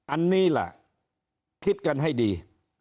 อันนี้แหละคิดกันให้ดี